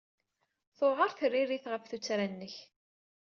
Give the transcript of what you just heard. Tewɛeṛ tririt ɣef tuttra-nnek.